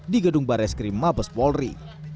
di gedung bareskrim mabes polri